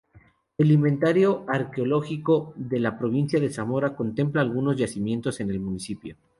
El Inventario Arqueológico de la provincia de Zamora contempla algunos yacimientos en el municipio.